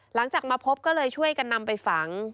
หลังจากมาพบก็เลยช่วยกันนำไปฝัง